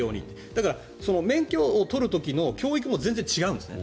だから、免許を取る時の教育も全然違うんですね。